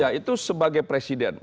ya itu sebagai presiden